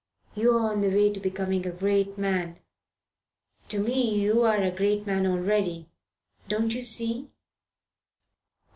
You're on the way to becoming a great man. To me, you're a great man already. Don't you see?"